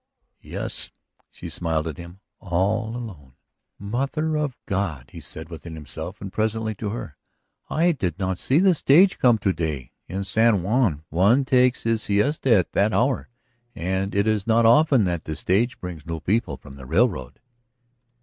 "Yes." She smiled at him again. "All alone." "Mother of God!" he said within himself. And presently to her: "I did not see the stage come to day; in San Juan one takes his siesta at that hour. And it is not often that the stage brings new people from the railroad."